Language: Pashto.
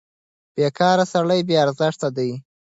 بېکاره سړی بې ارزښته دی.